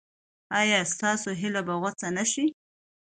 ایا ستاسو هیله به غوڅه نشي؟